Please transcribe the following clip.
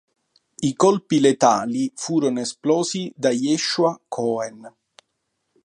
I colpi letali furono esplosi da Yehoshua Cohen.